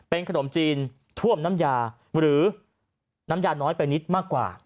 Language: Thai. เป็นขนมจีนท่วมน้ำยาน้อยไปนิดมากกว่า